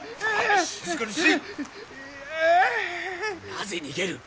なぜ逃げる？